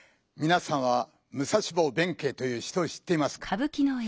みなさんは武蔵坊弁慶という人を知っていますか？